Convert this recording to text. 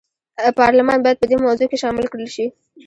پارلمان باید په دې موضوع کې شامل کړل شي.